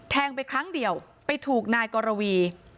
ไปครั้งเดียวไปถูกนายกรวี